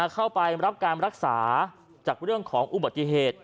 เข้าไปรับการรักษาจากเรื่องของอุบัติเหตุ